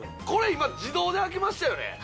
今、自動で開きましたよね。